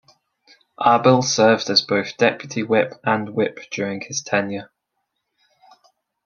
Abel served as both deputy whip and whip during his tenure.